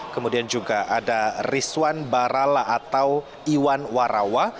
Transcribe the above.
kemudian juga ada rizwan barala atau iwan warawa